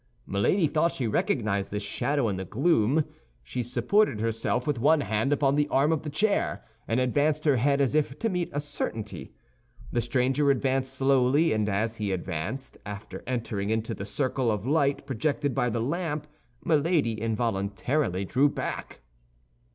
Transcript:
Milady thought she recognized this shadow in the gloom; she supported herself with one hand upon the arm of the chair, and advanced her head as if to meet a certainty. The stranger advanced slowly, and as he advanced, after entering into the circle of light projected by the lamp, Milady involuntarily drew back.